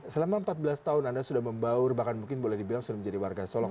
selama empat belas tahun anda sudah membaur bahkan mungkin boleh dibilang sudah menjadi warga solong